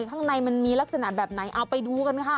ข้างในมันมีลักษณะแบบไหนเอาไปดูกันค่ะ